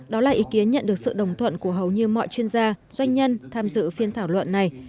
đó là ý kiến nhận được sự đồng thuận của hầu như mọi chuyên gia doanh nhân tham dự phiên thảo luận này